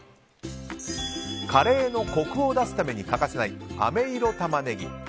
カレーのコクを出すために欠かせないあめ色タマネギ。